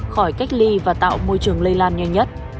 khỏi cách ly và tạo môi trường lây lan nhanh nhất